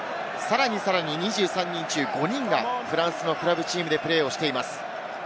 さらに２３人中５人がフランスのクラブチームでプレーをしています。